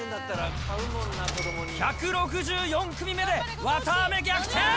１６４組目で綿あめ逆転。